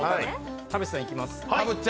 田渕さん、いきます。